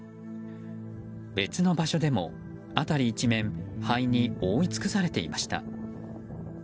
別の場所でも辺り一面灰に覆い尽くされていました。